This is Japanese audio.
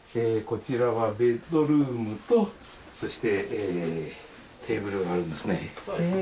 こちらはベッドルームと、そしてテーブルがあるんですね。